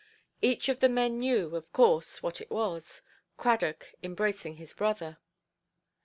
Each of the men knew, of course, what it was—Cradock embracing his brother!